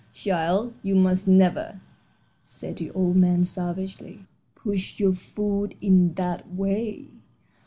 "Child, you must never," said the old man, savagely, "push your food in that way."